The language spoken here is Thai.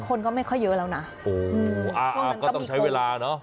คนก็ไม่ค่อยเยอะแล้วนะโอ้อ่าอ่าก็ต้องใช้เวลาเนอะ